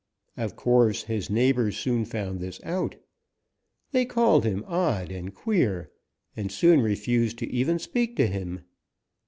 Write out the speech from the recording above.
Of course, his neighbors soon found this out. They called him odd and queer, and soon refused to even speak to him.